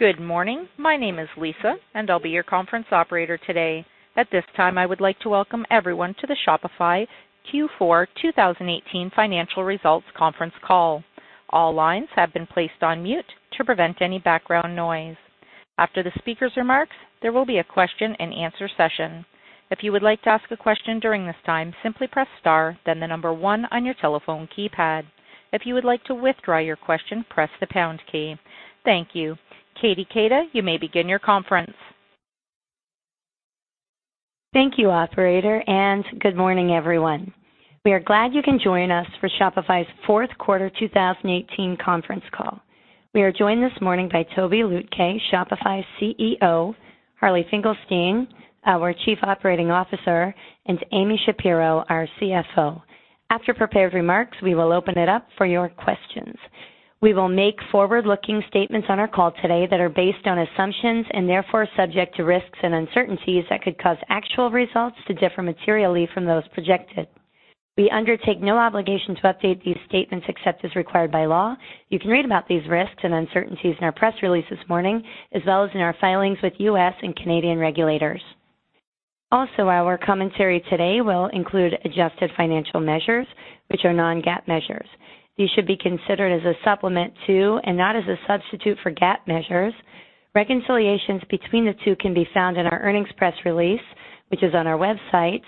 Good morning. My name is Lisa, and I'll be your conference operator today. At this time, I would like to welcome everyone to the Shopify Q4 2018 financial results conference call. All lines have been placed on mute to prevent any background noise. After the speaker's remarks, there will be a question-and-answer session. If you would like to ask a question during this time, simply press star then the number one on your telephone keypad. If you would like to withdraw your question, press the pound key. Thank you. Katie Keita, you may begin your conference. Thank you, operator, and good morning, everyone. We are glad you can join us for Shopify's fourth quarter 2018 conference call. We are joined this morning by Tobi Lütke, Shopify's CEO, Harley Finkelstein, our Chief Operating Officer, and Amy Shapero, our CFO. After prepared remarks, we will open it up for your questions. We will make forward-looking statements on our call today that are based on assumptions and therefore subject to risks and uncertainties that could cause actual results to differ materially from those projected. We undertake no obligation to update these statements except as required by law. You can read about these risks and uncertainties in our press release this morning, as well as in our filings with U.S. and Canadian regulators. Our commentary today will include adjusted financial measures, which are non-GAAP measures. These should be considered as a supplement to, and not as a substitute for, GAAP measures. Reconciliations between the two can be found in our earnings press release, which is on our website.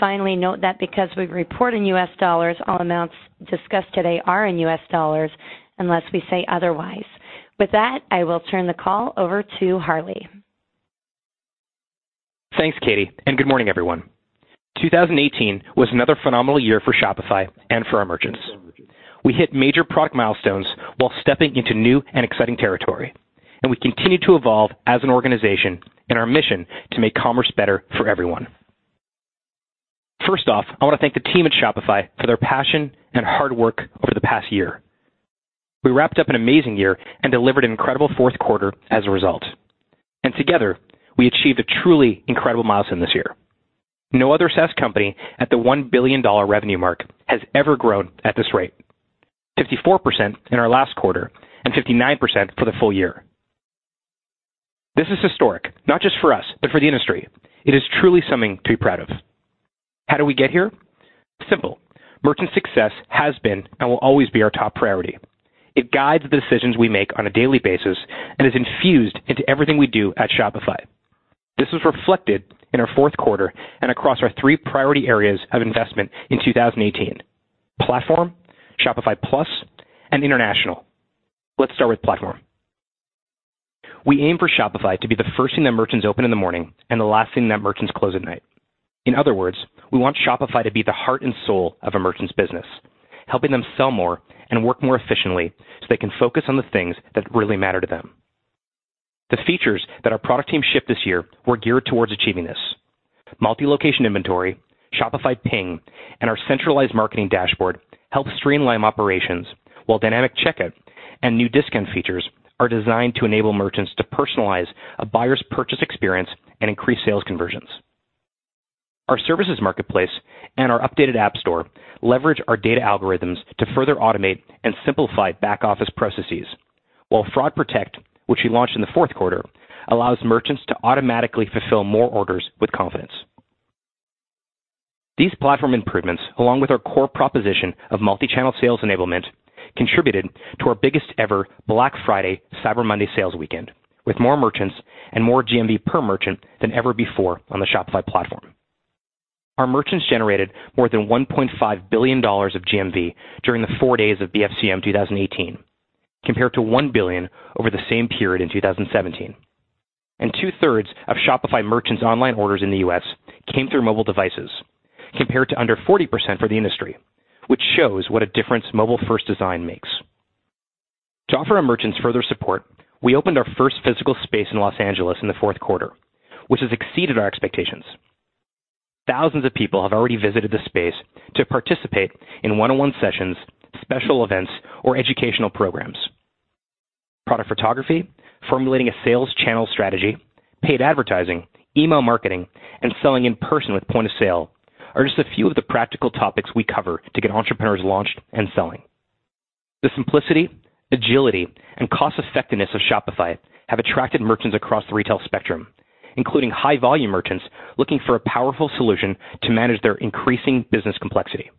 Finally, note that because we report in U.S. dollars, all amounts discussed today are in U.S. dollars unless we say otherwise. With that, I will turn the call over to Harley. Thanks, Katie, and good morning, everyone. 2018 was another phenomenal year for Shopify and for our merchants. We hit major product milestones while stepping into new and exciting territory, and we continue to evolve as an organization in our mission to make commerce better for everyone. First off, I want to thank the team at Shopify for their passion and hard work over the past year. We wrapped up an amazing year and delivered an incredible fourth quarter as a result. Together, we achieved a truly incredible milestone this year. No other SaaS company at the $1 billion revenue mark has ever grown at this rate. 54% in our last quarter and 59% for the full year. This is historic, not just for us, but for the industry. It is truly something to be proud of. How did we get here? Simple. Merchant success has been and will always be our top priority. It guides the decisions we make on a daily basis and is infused into everything we do at Shopify. This was reflected in our fourth quarter and across our three priority areas of investment in 2018: platform, Shopify Plus, and international. Let's start with platform. We aim for Shopify to be the first thing that merchants open in the morning and the last thing that merchants close at night. In other words, we want Shopify to be the heart and soul of a merchant's business, helping them sell more and work more efficiently, so they can focus on the things that really matter to them. The features that our product team shipped this year were geared towards achieving this. Multi-location inventory, Shopify Ping, and our centralized marketing dashboard help streamline operations, while dynamic checkout and new discount features are designed to enable merchants to personalize a buyer's purchase experience and increase sales conversions. Our services marketplace and our updated app store leverage our data algorithms to further automate and simplify back-office processes, while Fraud Protect, which we launched in the fourth quarter, allows merchants to automatically fulfill more orders with confidence. These platform improvements, along with our core proposition of multi-channel sales enablement, contributed to our biggest ever Black Friday Cyber Monday sales weekend, with more merchants and more GMV per merchant than ever before on the Shopify platform. Our merchants generated more than $1.5 billion of GMV during the four days of BFCM 2018, compared to $1 billion over the same period in 2017. 2/3 of Shopify merchants' online orders in the U.S. came through mobile devices, compared to under 40% for the industry, which shows what a difference mobile-first design makes. To offer our merchants further support, we opened our first physical space in L.A. in the fourth quarter, which has exceeded our expectations. Thousands of people have already visited the space to participate in one-on-one sessions, special events, or educational programs. Product photography, formulating a sales channel strategy, paid advertising, email marketing, and selling in person with point of sale are just a few of the practical topics we cover to get entrepreneurs launched and selling. The simplicity, agility, and cost-effectiveness of Shopify have attracted merchants across the retail spectrum, including high-volume merchants looking for a powerful solution to manage their increasing business complexity,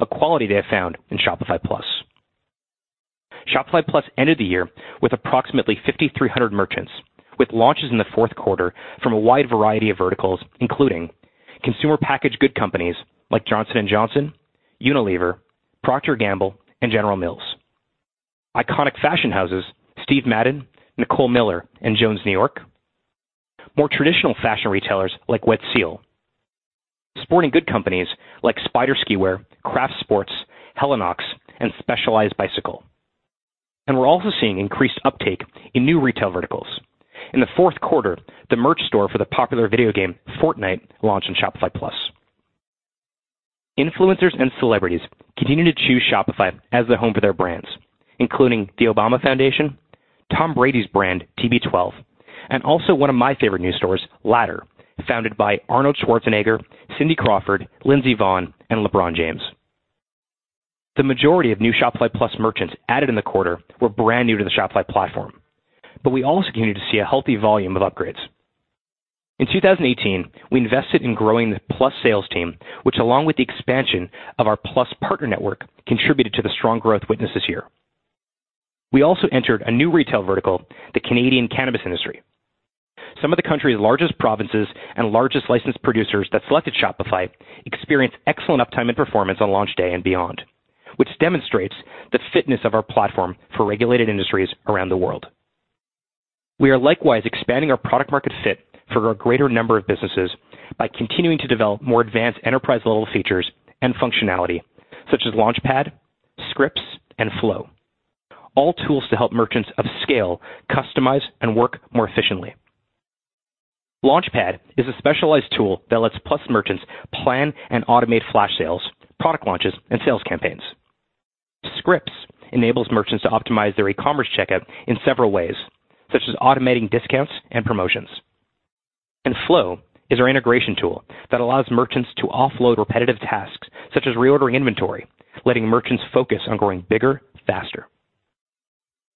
a quality they have found in Shopify Plus. Shopify Plus ended the year with approximately 5,300 merchants, with launches in the fourth quarter from a wide variety of verticals, including consumer packaged good companies like Johnson & Johnson, Unilever, Procter & Gamble, and General Mills. Iconic fashion houses, Steve Madden, Nicole Miller, and Jones New York. More traditional fashion retailers like Wet Seal. Sporting goods companies like Spyder ski wear, Craft Sports, Helinox, and Specialized bicycle. We're also seeing increased uptake in new retail verticals. In the fourth quarter, the merch store for the popular video game Fortnite launched on Shopify Plus. Influencers and celebrities continue to choose Shopify as the home for their brands, including the Obama Foundation, Tom Brady's brand TB12, and also one of my favorite new stores, Ladder, founded by Arnold Schwarzenegger, Cindy Crawford, Lindsey Vonn, and LeBron James. The majority of new Shopify Plus merchants added in the quarter were brand new to the Shopify platform, but we also continued to see a healthy volume of upgrades. In 2018, we invested in growing the Plus sales team, which along with the expansion of our Plus partner network, contributed to the strong growth witnessed this year. We also entered a new retail vertical, the Canadian cannabis industry. Some of the country's largest provinces and largest licensed producers that selected Shopify experienced excellent uptime and performance on launch day and beyond, which demonstrates the fitness of our platform for regulated industries around the world. We are likewise expanding our product market fit for a greater number of businesses by continuing to develop more advanced enterprise-level features and functionality, such as Launchpad, Scripts, and Flow, all tools to help merchants upscale, customize, and work more efficiently. Launchpad is a specialized tool that lets Plus merchants plan and automate flash sales, product launches, and sales campaigns. Scripts enables merchants to optimize their e-commerce checkout in several ways, such as automating discounts and promotions. Flow is our integration tool that allows merchants to offload repetitive tasks, such as reordering inventory, letting merchants focus on growing bigger, faster.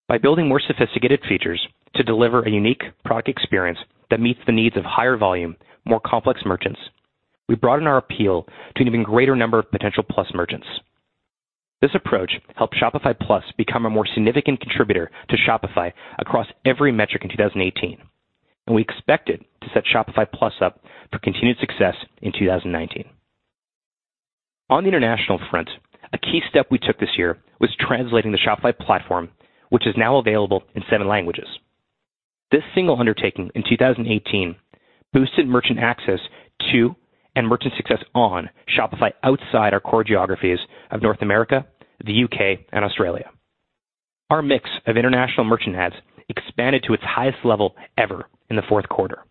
By building more sophisticated features to deliver a unique product experience that meets the needs of higher volume, more complex merchants, we broaden our appeal to an even greater number of potential Plus merchants. This approach helped Shopify Plus become a more significant contributor to Shopify across every metric in 2018, and we expect it to set Shopify Plus up for continued success in 2019. On the international front, a key step we took this year was translating the Shopify platform, which is now available in seven languages. This single undertaking in 2018 boosted merchant access to, and merchant success on, Shopify outside our core geographies of North America, the U.K., and Australia. Our mix of international merchant adds expanded to its highest level ever in the fourth quarter,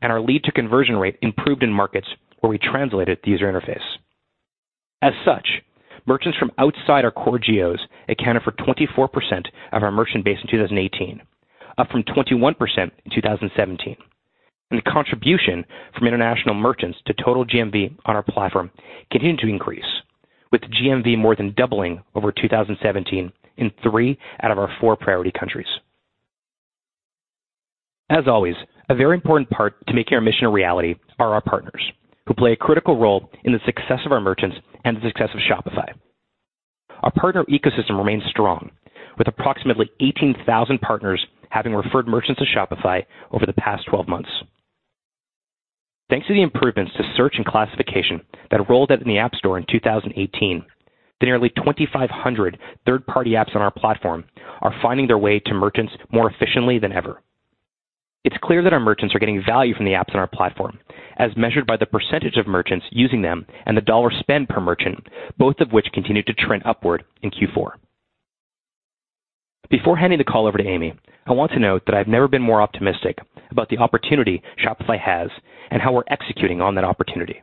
and our lead to conversion rate improved in markets where we translated the user interface. As such, merchants from outside our core geos accounted for 24% of our merchant base in 2018, up from 21% in 2017. Contribution from international merchants to total GMV on our platform continued to increase, with GMV more than doubling over 2017 in three out of our four priority countries. As always, a very important part to making our mission a reality are our partners, who play a critical role in the success of our merchants and the success of Shopify. Our partner ecosystem remains strong, with approximately 18,000 partners having referred merchants to Shopify over the past 12 months. Thanks to the improvements to search and classification that rolled out in the App Store in 2018, the nearly 2,500 third-party apps on our platform are finding their way to merchants more efficiently than ever. It's clear that our merchants are getting value from the apps on our platform, as measured by the percentage of merchants using them and the dollar spend per merchant, both of which continued to trend upward in Q4. Before handing the call over to Amy, I want to note that I've never been more optimistic about the opportunity Shopify has and how we're executing on that opportunity.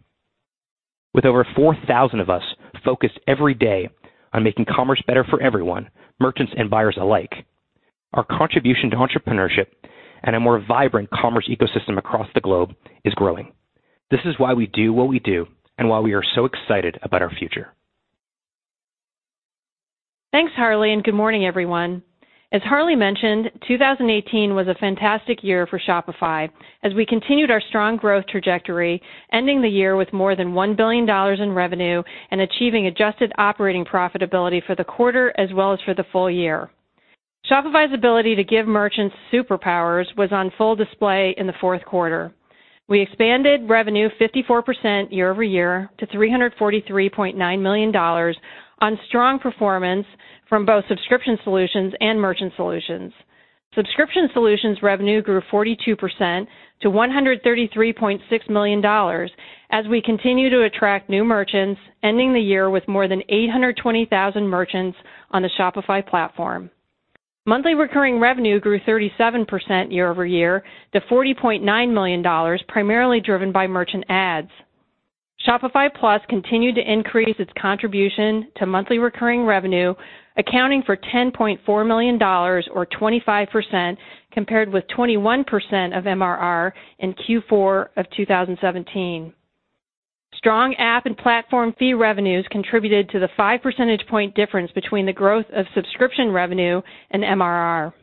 With over 4,000 of us focused every day on making commerce better for everyone, merchants and buyers alike, our contribution to entrepreneurship and a more vibrant commerce ecosystem across the globe is growing. This is why we do what we do and why we are so excited about our future. Thanks, Harley, and good morning, everyone. As Harley mentioned, 2018 was a fantastic year for Shopify as we continued our strong growth trajectory, ending the year with more than $1 billion in revenue and achieving adjusted operating profitability for the quarter as well as for the full year. Shopify's ability to give merchants superpowers was on full display in the fourth quarter. We expanded revenue 54% year-over-year to $343.9 million on strong performance from both Subscription Solutions and Merchant Solutions. Subscription Solutions revenue grew 42% to $133.6 million as we continue to attract new merchants, ending the year with more than 820,000 merchants on the Shopify platform. Monthly recurring revenue grew 37% year-over-year to $40.9 million, primarily driven by merchant adds. Shopify Plus continued to increase its contribution to monthly recurring revenue, accounting for $10.4 million or 25%, compared with 21% of MRR in Q4 of 2017. Strong app and platform fee revenues contributed to the 5-percentage point difference between the growth of subscription revenue and MRR.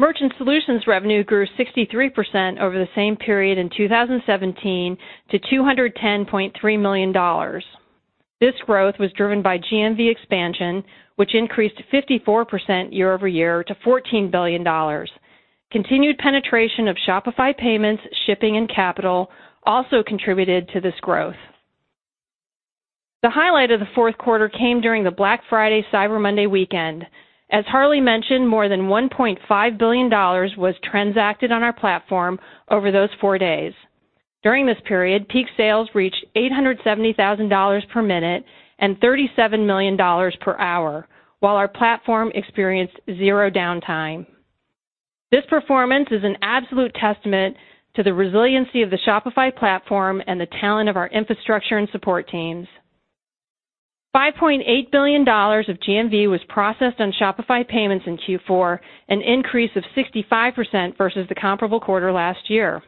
Merchant Solutions revenue grew 63% over the same period in 2017 to $210.3 million. This growth was driven by GMV expansion, which increased 54% year-over-year to $14 billion. Continued penetration of Shopify Payments, Shipping, and Capital also contributed to this growth. The highlight of the fourth quarter came during the Black Friday Cyber Monday weekend. As Harley mentioned, more than $1.5 billion was transacted on our platform over those four days. During this period, peak sales reached $870,000 per minute and $37 million per hour, while our platform experienced zero downtime. This performance is an absolute testament to the resiliency of the Shopify platform and the talent of our infrastructure and support teams. $5.8 billion of GMV was processed on Shopify Payments in Q4, an increase of 65% versus the comparable quarter last year.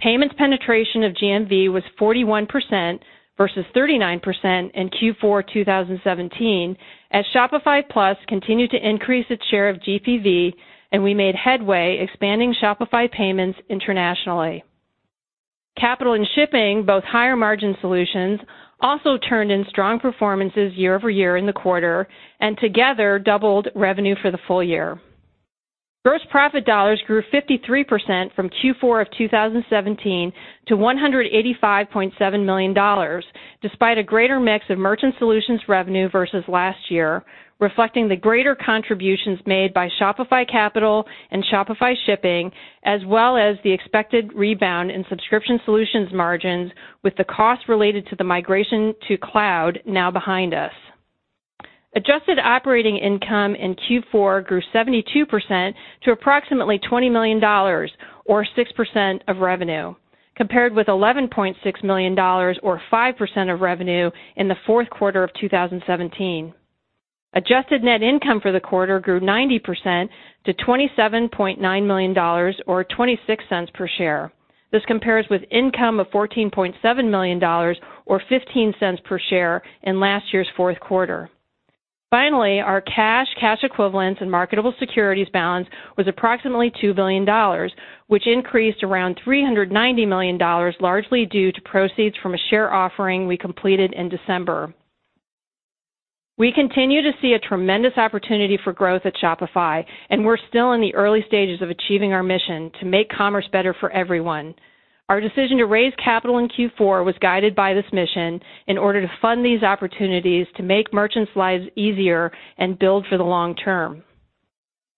Payments penetration of GMV was 41% versus 39% in Q4 2017 as Shopify Plus continued to increase its share of GPV, and we made headway expanding Shopify Payments internationally. Capital and Shipping, both higher-margin solutions, also turned in strong performances year-over-year in the quarter and together doubled revenue for the full year. Gross profit dollars grew 53% from Q4 of 2017 to $185.7 million, despite a greater mix of Merchant Solutions revenue versus last year, reflecting the greater contributions made by Shopify Capital and Shopify Shipping, as well as the expected rebound in Subscription Solutions margins with the costs related to the migration to cloud now behind us. Adjusted operating income in Q4 grew 72% to approximately $20 million or 6% of revenue, compared with $11.6 million or 5% of revenue in the fourth quarter of 2017. Adjusted net income for the quarter grew 90% to $27.9 million or $0.26 per share. This compares with income of $14.7 million or $0.15 per share in last year's fourth quarter. Finally, our cash equivalents and marketable securities balance was approximately $2 billion, which increased around $390 million, largely due to proceeds from a share offering we completed in December. We continue to see a tremendous opportunity for growth at Shopify, and we're still in the early stages of achieving our mission to make commerce better for everyone. Our decision to raise capital in Q4 was guided by this mission in order to fund these opportunities to make merchants' lives easier and build for the long term.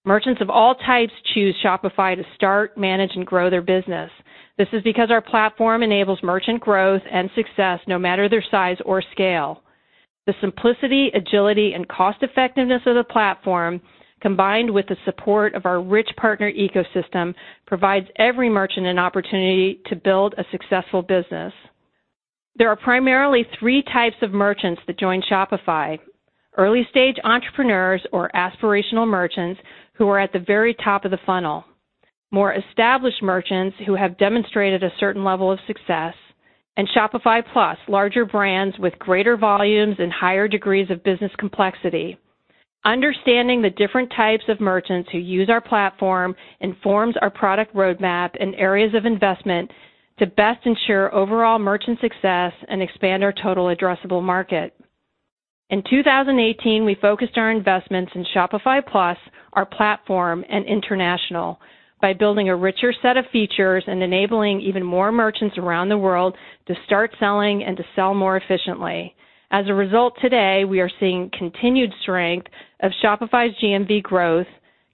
Merchants of all types choose Shopify to start, manage, and grow their business. This is because our platform enables merchant growth and success, no matter their size or scale. The simplicity, agility, and cost-effectiveness of the platform, combined with the support of our rich partner ecosystem, provides every merchant an opportunity to build a successful business. There are primarily three types of merchants that join Shopify. Early-stage entrepreneurs or Aspirational merchants who are at the very top of the funnel, more established merchants who have demonstrated a certain level of success, and Shopify Plus, larger brands with greater volumes and higher degrees of business complexity. Understanding the different types of merchants who use our platform informs our product roadmap and areas of investment to best ensure overall merchant success and expand our total addressable market. In 2018, we focused our investments in Shopify Plus, our platform, and international by building a richer set of features and enabling even more merchants around the world to start selling and to sell more efficiently. As a result, today, we are seeing continued strength of Shopify's GMV growth,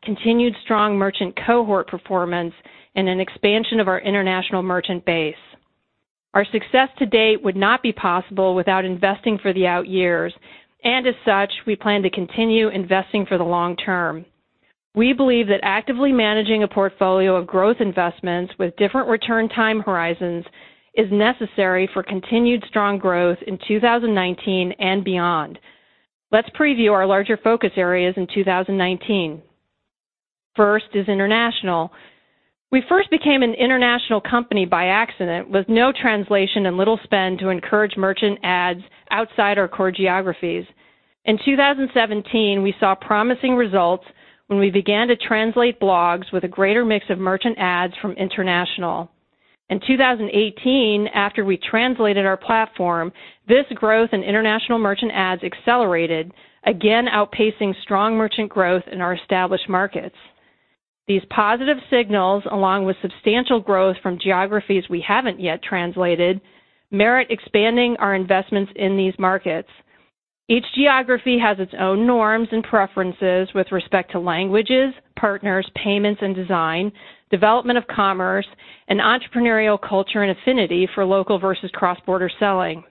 continued strong merchant cohort performance, and an expansion of our international merchant base. Our success to date would not be possible without investing for the out years. As such, we plan to continue investing for the long term. We believe that actively managing a portfolio of growth investments with different return time horizons is necessary for continued strong growth in 2019 and beyond. Let's preview our larger focus areas in 2019. First is international. We first became an international company by accident with no translation, and little spend to encourage merchant adds outside our core geographies. In 2017, we saw promising results when we began to translate blogs with a greater mix of merchant adds from international. In 2018, after we translated our platform, this growth in international merchant adds accelerated, again outpacing strong merchant growth in our established markets. These positive signals, along with substantial growth from geographies we haven't yet translated, merit expanding our investments in these markets. Each geography has its own norms and preferences with respect to languages, partners, payments and design, development of commerce, and entrepreneurial culture and affinity for local versus cross-border selling.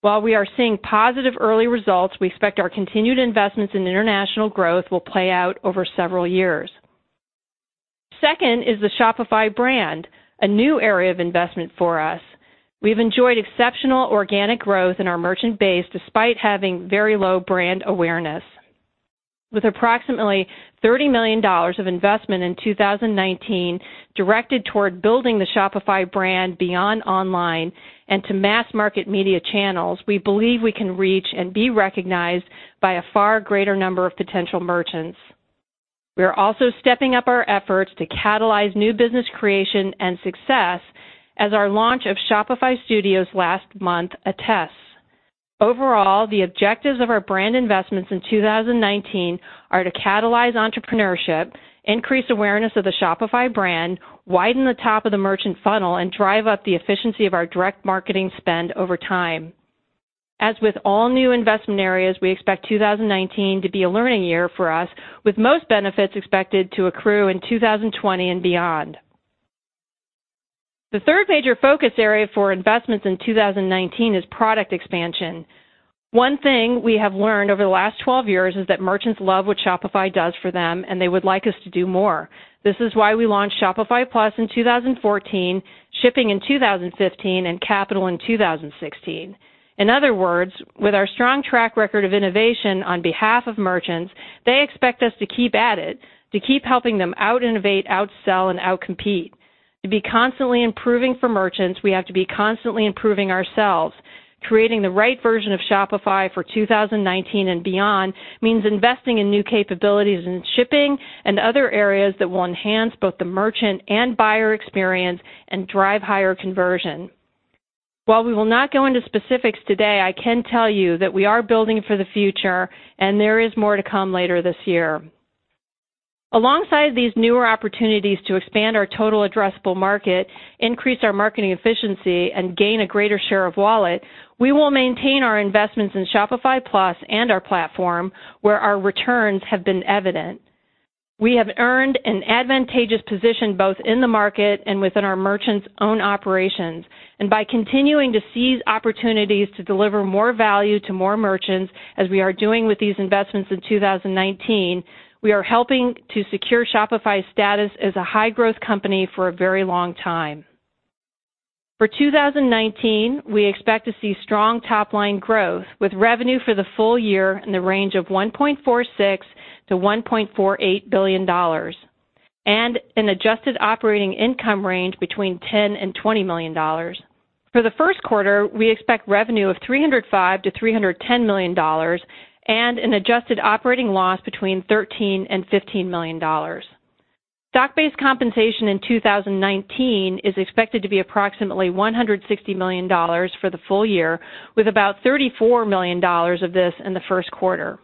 While we are seeing positive early results, we expect our continued investments in international growth will play out over several years. Second is the Shopify brand, a new area of investment for us. We've enjoyed exceptional organic growth in our merchant base despite having very low brand awareness. With approximately $30 million of investment in 2019 directed toward building the Shopify brand beyond online and to mass-market media channels, we believe we can reach and be recognized by a far greater number of potential merchants. We are also stepping up our efforts to catalyze new business creation and success as our launch of Shopify Studios last month attests. Overall, the objectives of our brand investments in 2019 are to catalyze entrepreneurship, increase awareness of the Shopify brand, widen the top of the merchant funnel, and drive up the efficiency of our direct marketing spend over time. As with all new investment areas, we expect 2019 to be a learning year for us, with most benefits expected to accrue in 2020 and beyond. The third major focus area for investments in 2019 is product expansion. One thing we have learned over the last 12 years is that merchants love what Shopify does for them, and they would like us to do more. This is why we launched Shopify Plus in 2014, Shipping in 2015, and Capital in 2016. In other words, with our strong track record of innovation on behalf of merchants, they expect us to keep at it, to keep helping them out-innovate, out-sell, and out-compete. To be constantly improving for merchants, we have to be constantly improving ourselves. Creating the right version of Shopify for 2019 and beyond means investing in new capabilities in shipping and other areas that will enhance both the merchant and buyer experience and drive higher conversion. While we will not go into specifics today, I can tell you that we are building for the future and there is more to come later this year. Alongside these newer opportunities to expand our total addressable market, increase our marketing efficiency, and gain a greater share of wallet, we will maintain our investments in Shopify Plus and our platform where our returns have been evident. We have earned an advantageous position both in the market and within our merchants' own operations. By continuing to seize opportunities to deliver more value to more merchants as we are doing with these investments in 2019, we are helping to secure Shopify's status as a high-growth company for a very long time. For 2019, we expect to see strong top-line growth with revenue for the full year in the range of $1.46 billion-$1.48 billion and an adjusted operating income range between $10 million and $20 million. For the first quarter, we expect revenue of $305 million-$310 million and an adjusted operating loss between $13 million and $15 million. Stock-based compensation in 2019 is expected to be approximately $160 million for the full year, with about $34 million of this in the first quarter.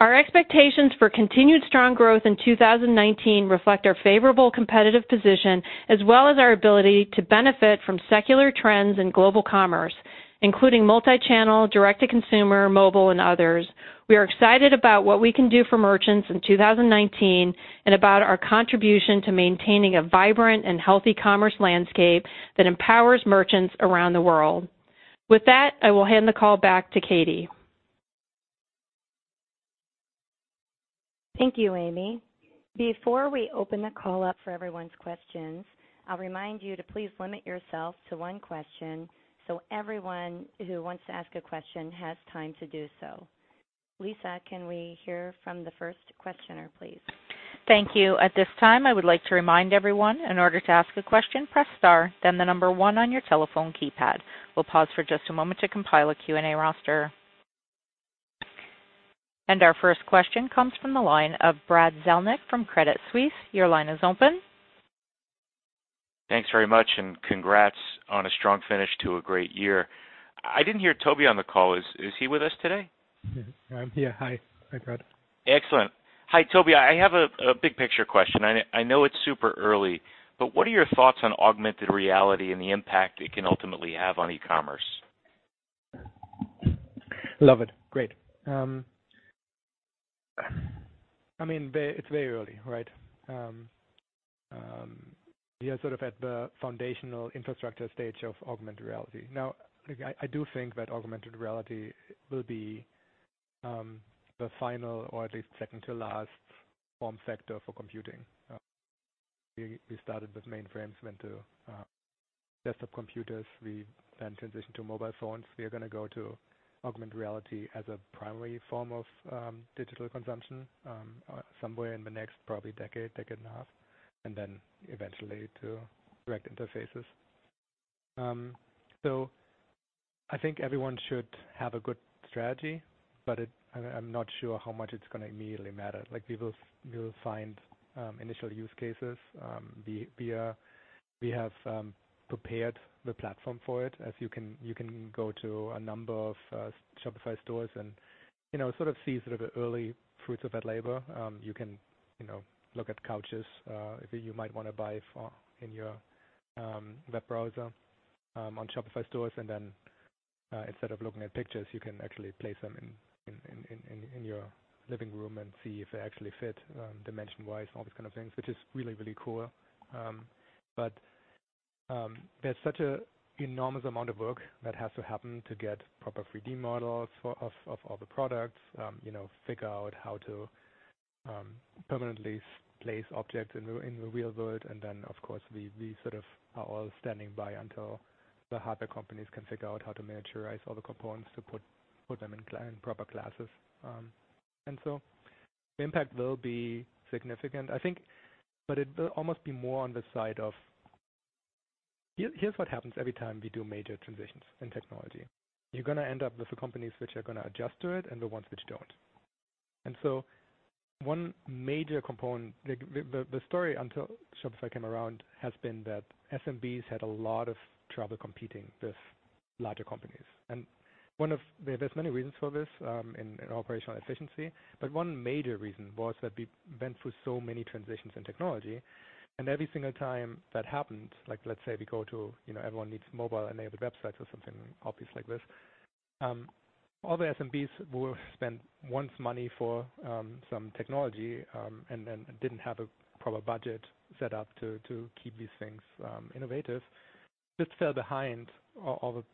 Our expectations for continued strong growth in 2019 reflect our favorable competitive position as well as our ability to benefit from secular trends in global commerce, including multi-channel, direct-to-consumer, mobile, and others. We are excited about what we can do for merchants in 2019 and about our contribution to maintaining a vibrant and healthy commerce landscape that empowers merchants around the world. With that, I will hand the call back to Katie. Thank you, Amy. Before we open the call up for everyone's questions, I will remind you to please limit yourself to one question so everyone who wants to ask a question has time to do so. Lisa, can we hear from the first questioner, please? Thank you. At this time, I would like to remind everyone, in order to ask a question, press star, then the number one on your telephone keypad. We'll pause for just a moment to compile a Q&A roster. Our first question comes from the line of Brad Zelnick from Credit Suisse. Your line is open. Thanks very much, and congrats on a strong finish to a great year. I didn't hear Tobi on the call. Is he with us today? Yeah. I'm here. Hi. Hi, Brad. Excellent. Hi, Tobi. I have a big picture question. I know it's super early, but what are your thoughts on augmented reality and the impact it can ultimately have on e-commerce? Love it. Great. I mean, it's very early, right? We are sort of at the foundational infrastructure stage of augmented reality. Now, I do think that augmented reality will be the final or at least second to last form factor for computing. We started with mainframes, went to desktop computers. We transitioned to mobile phones. We are gonna go to augmented reality as a primary form of digital consumption somewhere in the next probably decade and a half, and then eventually to direct interfaces. I think everyone should have a good strategy, but I'm not sure how much it's gonna immediately matter. Like, we will find initial use cases. We have prepared the platform for it. As you can go to a number of Shopify stores and, you know, sort of see sort of the early fruits of that labor. You can, you know, look at couches, if you might wanna buy for, in your web browser, on Shopify stores. Then, instead of looking at pictures, you can actually place them in your living room and see if they actually fit, dimension-wise and all these kind of things, which is really, really cool. There's such a enormous amount of work that has to happen to get proper 3D models for all the products. You know, figure out how to permanently place objects in the real world. Of course, we sort of are all standing by until the hardware companies can figure out how to miniaturize all the components to put them in proper glasses. The impact will be significant, I think, but it will almost be more on the side of here's what happens every time we do major transitions in technology. You're gonna end up with the companies which are gonna adjust to it and the ones which don't. One major component, the story until Shopify came around has been that SMBs had a lot of trouble competing with larger companies. There's many reasons for this in operational efficiency. One major reason was that we went through so many transitions in technology. Every single time that happened, like let's say we go to, you know, everyone needs mobile-enabled websites or something obvious like this. All the SMBs will spend once money for some technology and then didn't have a proper budget set up to keep these things innovative. Just fell behind all the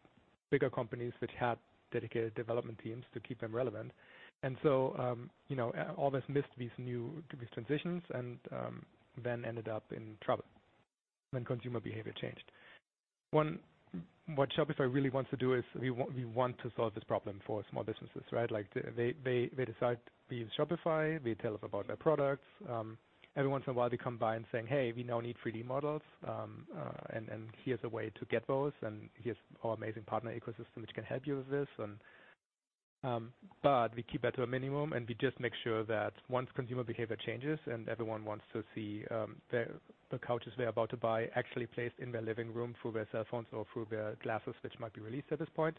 bigger companies which had dedicated development teams to keep them relevant. You know, all this missed these new, these transitions and then ended up in trouble when consumer behavior changed. What Shopify really wants to do is we want to solve this problem for small businesses, right? Like, they decide to use Shopify. We tell them about their products. Every once in a while they come by and saying, "Hey, we now need 3D models. Here's a way to get those, and here's our amazing partner ecosystem which can help you with this." We keep that to a minimum, and we just make sure that once consumer behavior changes and everyone wants to see, their, the couches they're about to buy actually placed in their living room through their cell phones or through their glasses, which might be released at this point,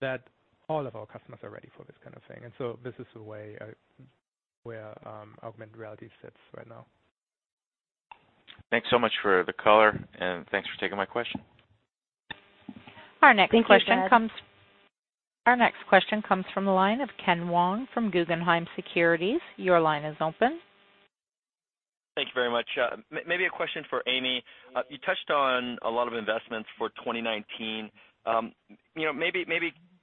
that all of our customers are ready for this kind of thing. This is the way where augmented reality sits right now. Thanks so much for the color. Thanks for taking my question. Our next question comes- Thank you, Brad. Our next question comes from the line of Ken Wong from Guggenheim Securities. Your line is open. Thank you very much. Maybe a question for Amy. You touched on a lot of investments for 2019. You know, maybe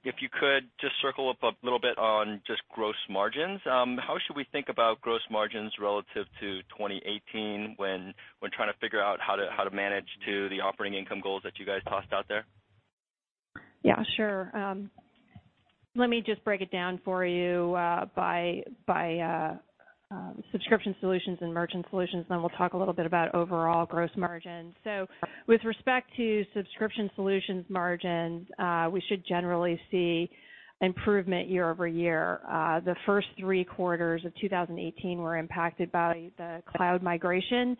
if you could just circle up a little bit on just gross margins. How should we think about gross margins relative to 2018 when trying to figure out how to manage to the operating income goals that you guys tossed out there? Yeah, sure. Let me just break it down for you by Subscription Solutions and Merchant Solutions, and then we'll talk a little bit about overall gross margin. With respect to Subscription Solutions margins, we should generally see improvement year-over-year. The first three quarters of 2018 were impacted by the cloud migration.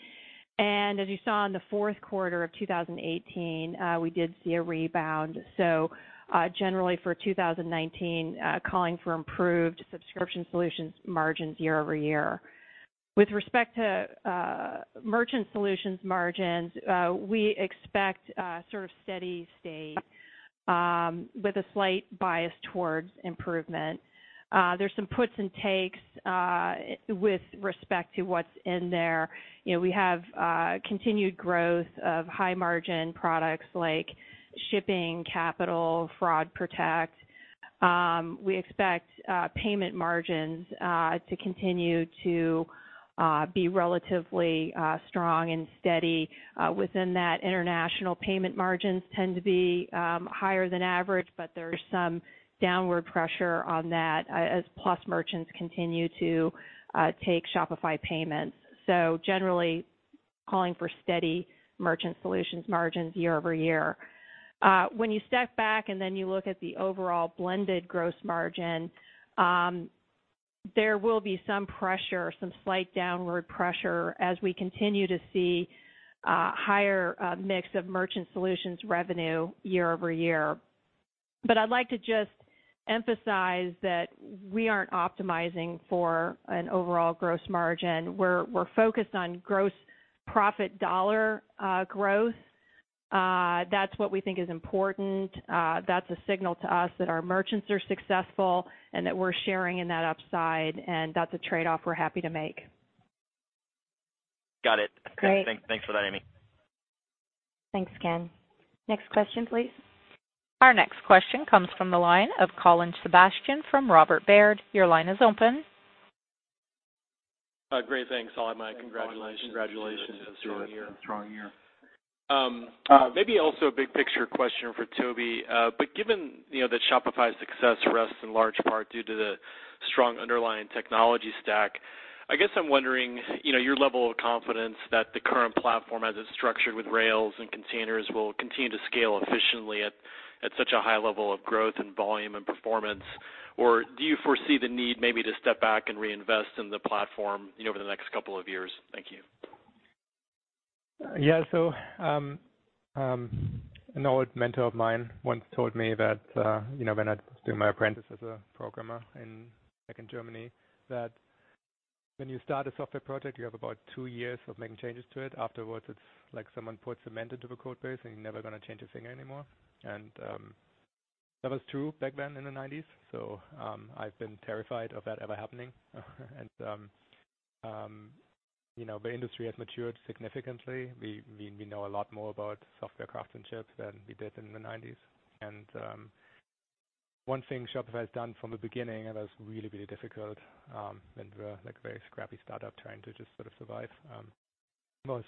As you saw in the fourth quarter of 2018, we did see a rebound. Generally for 2019, calling for improved Subscription Solutions margins year-over-year. With respect to Merchant Solutions margins, we expect sort of steady state with a slight bias towards improvement. There's some puts and takes with respect to what's in there. You know, we have continued growth of high-margin products like Shipping, Capital, Fraud Protect. We expect payment margins to continue to be relatively strong and steady. Within that, international payment margins tend to be higher than average, but there's some downward pressure on that as Plus merchants continue to take Shopify Payments. Generally, calling for steady Merchant Solutions margins year-over-year. When you step back and then you look at the overall blended gross margin, there will be some pressure, some slight downward pressure as we continue to see higher mix of Merchant Solutions revenue year-over-year. I'd like to just emphasize that we aren't optimizing for an overall gross margin. We're focused on gross profit dollar growth. That's what we think is important. That's a signal to us that our merchants are successful and that we're sharing in that upside, and that's a trade-off we're happy to make. Got it. Great. Thanks for that, Amy. Thanks, Ken. Next question, please. Our next question comes from the line of Colin Sebastian from Robert Baird. Your line is open. Great, thanks. I'll have my congratulations to you on a strong year. Maybe also a big picture question for Tobi. Given, you know, that Shopify's success rests in large part due to the strong underlying technology stack, I guess I'm wondering, you know, your level of confidence that the current platform, as it's structured with rails and containers, will continue to scale efficiently at such a high level of growth and volume and performance. Or do you foresee the need maybe to step back and reinvest in the platform, you know, over the next couple of years? Thank you. Yeah. An old mentor of mine once told me that, you know, when I was doing my apprentice as a programmer in, back in Germany, that when you start a software project, you have about two years of making changes to it. Afterwards, it's like someone poured cement into the code base, and you're never gonna change a thing anymore. That was true back then in the 90s. I've been terrified of that ever happening. You know, the industry has matured significantly. We know a lot more about software craftsmanship than we did in the 90s. One thing Shopify has done from the beginning, and that was really, really difficult, when we were, like, a very scrappy startup trying to just sort of survive, was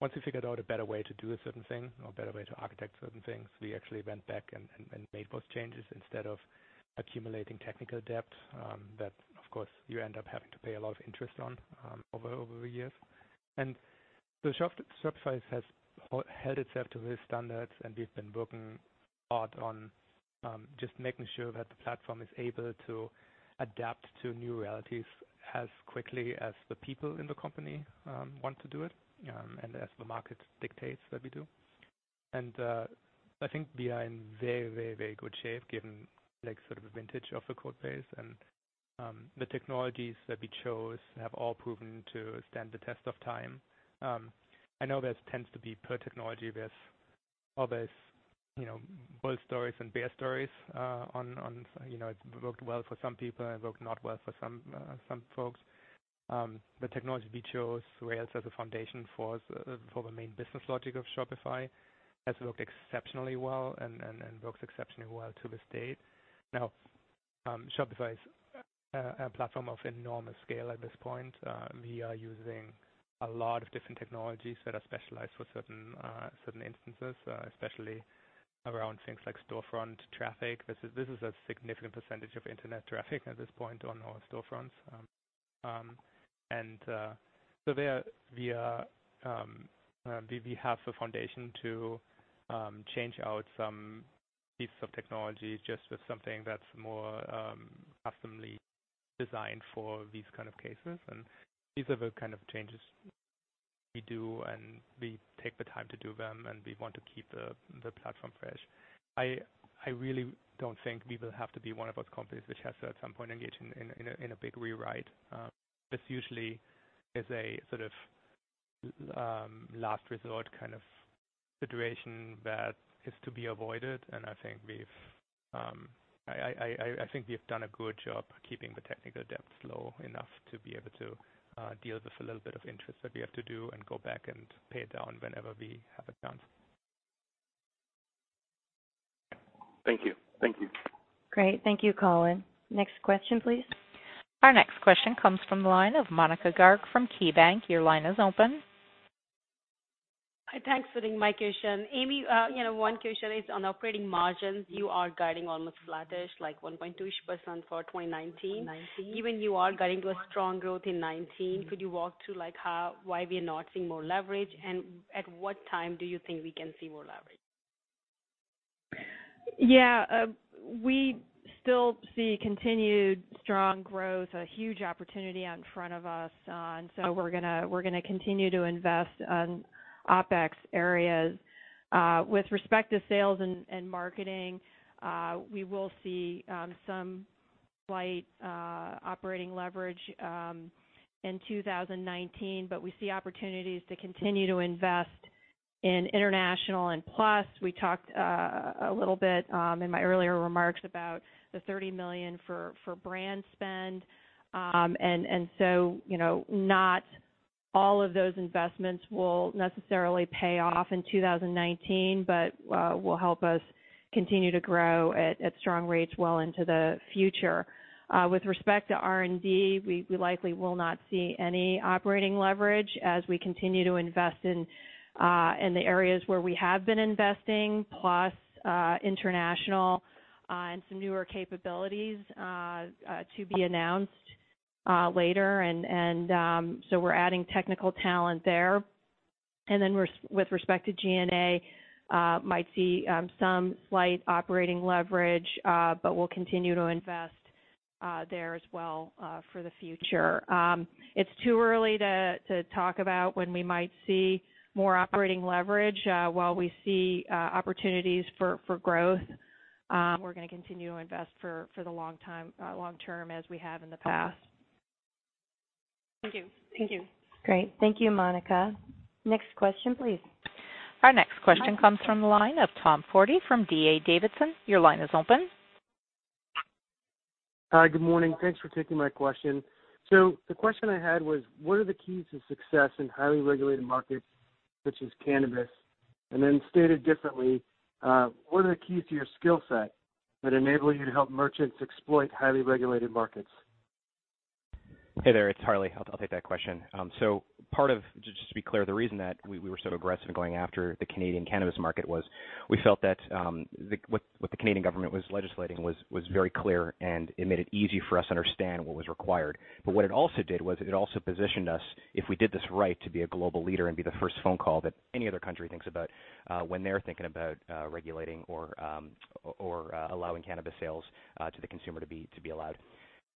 once we figured out a better way to do a certain thing or a better way to architect certain things, we actually went back and made those changes instead of accumulating technical debt, that, of course, you end up having to pay a lot of interest on, over the years. Shopify has held itself to these standards, and we've been working hard on, just making sure that the platform is able to adapt to new realities as quickly as the people in the company, want to do it, and as the market dictates that we do. I think we are in very, very, very good shape given, like, sort of the vintage of the code base and the technologies that we chose have all proven to stand the test of time. I know there tends to be per technology, there's always, you know, bull stories and bear stories on, you know, it worked well for some people and it worked not well for some folks. The technology we chose, Rails, as a foundation for the main business logic of Shopify has worked exceptionally well and works exceptionally well to this date. Now, Shopify is a platform of enormous scale at this point. We are using a lot of different technologies that are specialized for certain instances, especially around things like storefront traffic. This is a significant percentage of internet traffic at this point on all storefronts. There we are. We have the foundation to change out some pieces of technology just with something that's more customly designed for these kind of cases. These are the kind of changes we do, and we take the time to do them, and we want to keep the platform fresh. I really don't think we will have to be one of those companies which has to at some point engage in a big rewrite. This usually is a sort of last resort kind of situation that is to be avoided. I think we've done a good job keeping the technical debt low enough to be able to deal with a little bit of interest that we have to do and go back and pay it down whenever we have a chance. Thank you. Great. Thank you, Colin. Next question, please. Our next question comes from the line of Monika Garg from KeyBanc. Your line is open. Hi. Thanks for taking my question. Amy, you know, one question is on operating margins. You are guiding almost flattish, like 1.2%-ish for 2019. Even you are guiding to a strong growth in 2019, could you walk through like how, why we are not seeing more leverage? At what time do you think we can see more leverage? We still see continued strong growth, a huge opportunity out in front of us. We're gonna continue to invest on OpEx areas. With respect to sales and marketing, we will see some slight operating leverage in 2019. We see opportunities to continue to invest in international and Plus. We talked a little bit in my earlier remarks about the $30 million for brand spend. You know, not all of those investments will necessarily pay off in 2019, but will help us continue to grow at strong rates well into the future. With respect to R&D, we likely will not see any operating leverage as we continue to invest in the areas where we have been investing, plus international and some newer capabilities to be announced later. We're adding technical talent there. With respect to G&A, might see some slight operating leverage, but we'll continue to invest there as well for the future. It's too early to talk about when we might see more operating leverage. While we see opportunities for growth, we're gonna continue to invest for the long time, long term as we have in the past. Thank you. Great. Thank you, Monika. Next question, please. Our next question comes from the line of Tom Forte from D.A. Davidson. Your line is open. Hi. Good morning. Thanks for taking my question. The question I had was, what are the keys to success in highly regulated markets such as cannabis? And then stated differently, what are the keys to your skill set that enable you to help merchants exploit highly regulated markets? Hey there. It's Harley. I'll take that question. Part of, just to be clear, the reason that we were so aggressive in going after the Canadian cannabis market was we felt that what the Canadian government was legislating was very clear, and it made it easy for us to understand what was required. What it also did was it also positioned us, if we did this right, to be a global leader and be the first phone call that any other country thinks about when they're thinking about regulating or allowing cannabis sales to the consumer to be allowed.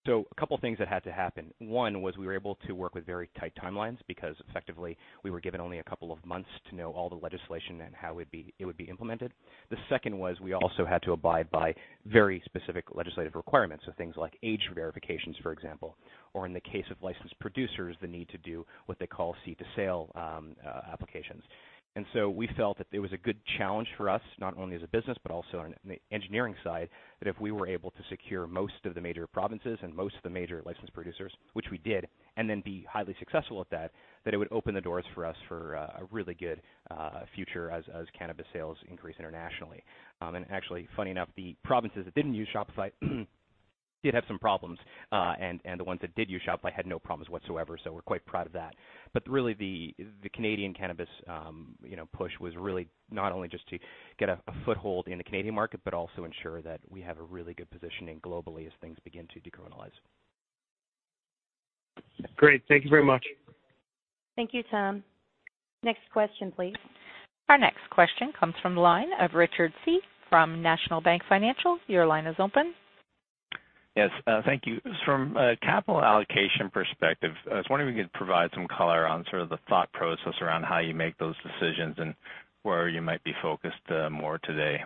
So a couple things that had to happen. One was we were able to work with very tight timelines because effectively we were given only a couple of months to know all the legislation and how it would be implemented. The second was we also had to abide by very specific legislative requirements. Things like age verifications, for example, or in the case of licensed producers, the need to do what they call seed-to-sale applications. We felt that it was a good challenge for us, not only as a business, but also on the engineering side, that if we were able to secure most of the major provinces and most of the major licensed producers, which we did, and then be highly successful at that it would open the doors for us for a really good future as cannabis sales increase internationally. Actually, funny enough, the provinces that didn't use Shopify did have some problems. And the ones that did use Shopify had no problems whatsoever, so we're quite proud of that. But really the Canadian cannabis, you know, push was really not only just to get a foothold in the Canadian market, but also ensure that we have a really good positioning globally as things begin to decriminalize. Great. Thank you very much. Thank you, Tom. Next question, please. Our next question comes from the line of Richard Tse from National Bank Financial. Your line is open. Yes, thank you. From a capital allocation perspective, I was wondering if you could provide some color on sort of the thought process around how you make those decisions and where you might be focused more today.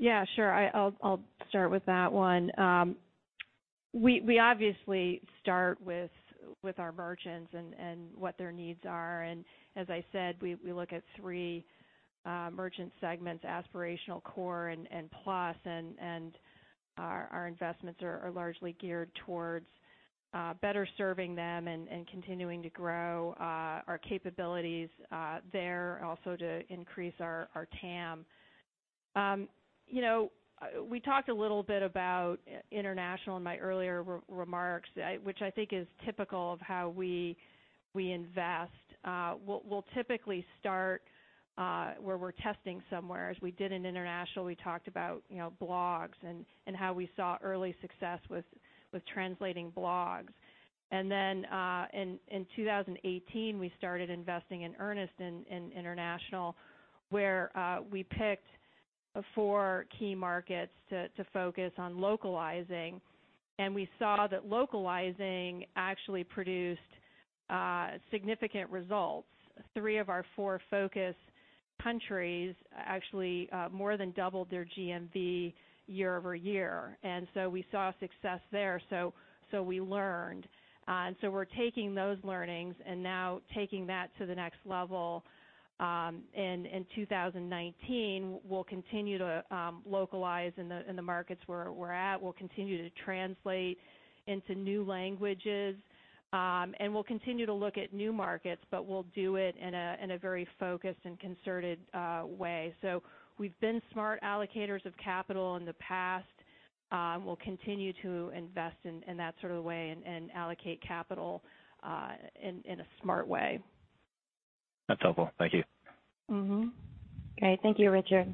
Yeah, sure. I'll start with that one. We obviously start with our merchants and what their needs are. As I said, we look at three merchant segments, Aspirational, Core, and Plus, and our investments are largely geared towards better serving them and continuing to grow our capabilities there also to increase our TAM. You know, we talked a little bit about international in my earlier remarks, which I think is typical of how we invest. We'll typically start where we're testing somewhere, as we did in international. We talked about, you know, blogs and how we saw early success with translating blogs. In 2018, we started investing in earnest in international where we picked four key markets to focus on localizing, and we saw that localizing actually produced significant results. Three of our four focus countries actually more than doubled their GMV year-over-year. We saw success there, so we learned. We're taking those learnings and now taking that to the next level. In 2019, we'll continue to localize in the markets where we're at. We'll continue to translate into new languages, and we'll continue to look at new markets, but we'll do it in a very focused and concerted way. We've been smart allocators of capital in the past. We'll continue to invest in that sort of way and allocate capital in a smart way. That's helpful. Thank you. Okay. Thank you, Richard.